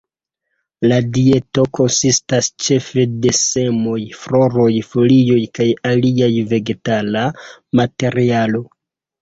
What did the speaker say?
La dieto konsistas ĉefe de semoj, floroj, folioj kaj alia vegetala materialo.